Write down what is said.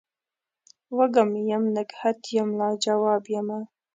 وږم یم نګهت یم لا جواب یمه